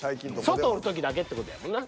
外おる時だけって事やもんな？